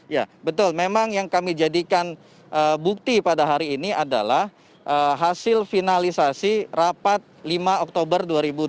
ya betul memang yang kami jadikan bukti pada hari ini adalah hasil finalisasi rapat lima oktober dua ribu tujuh belas